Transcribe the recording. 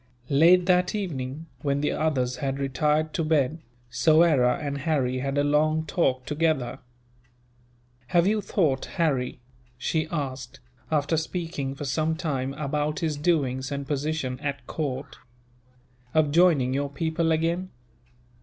Late that evening, when the others had retired to bed, Soyera and Harry had a long talk together. "Have you thought, Harry," she asked, after speaking for some time about his doings and position at court, "of joining your people again?